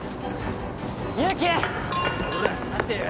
・おら立てよ！